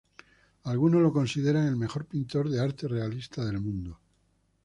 Algunos le consideran el mejor pintor de arte realista del mundo.